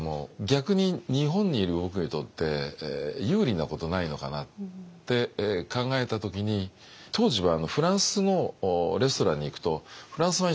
逆に日本にいる僕にとって有利なことないのかなって考えた時に当時はフランスのレストランに行くとフランスワインしか置いてない。